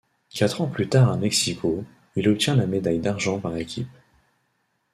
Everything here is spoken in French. Quatre ans plus tard à Mexico, il obtient la médaille d'argent par équipe.